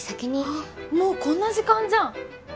あっもうこんな時間じゃん！